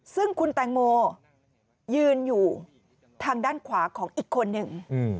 ซึ่งคุณแตงโมยืนอยู่ทางด้านขวาของอีกคนหนึ่ง